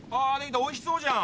おいしそうじゃん。